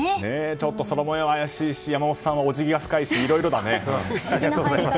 ちょっと空模様が怪しいし山本さんはお辞儀が深いしいろいろだね。